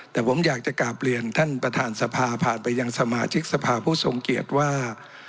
แต่ผมอยากจะกลับเรียนท่านประธานสภาผ่านไปยังสมาชิกสภาผู้ทรงเกียจว่า